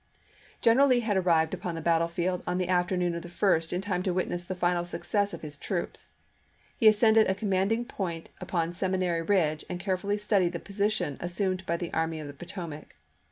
General Lee had arrived upon the battlefield on the afternoon of the 1st in time to witness the final success of his troops. He ascended a commanding point upon Seminary Ridge and carefully studied the position assumed by the Army of the Potomac.